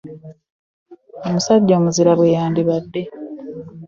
Omusajja omuzira bwe yandibadde.